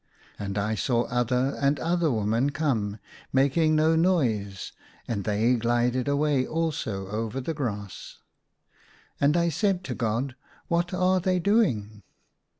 And I saw other and other women come, making no noise, and they glided away also over the grass. And I said to God, " What are they doing